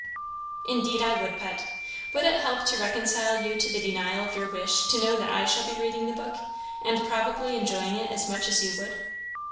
"Indeed I would, pet. Would it help to reconcile you to the denial of your wish to know that I shall be reading the book, and probably enjoying it as much as you would?"